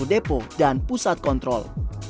depo dan pusat kontrol